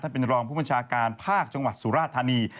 เป็นรองผู้บัญชาการภาคจังหวัดสุราธานี